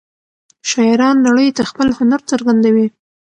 شاعران نړۍ ته خپل هنر څرګندوي.